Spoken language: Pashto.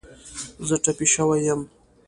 زه ټپې شوی یم